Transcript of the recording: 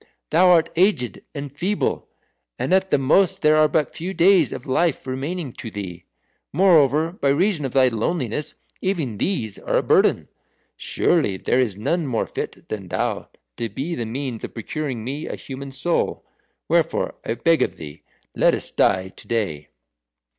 Thou art aged and feeble, and at the most there are but few days of life remaining to thee. Moreover, by reason of thy loneliness even these are a burden. Surely there is none more fit than thou to be the means of procuring me a human soul. Wherefore I beg of thee, let us die to day."